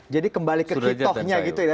jadi kembali ke hit offnya gitu ya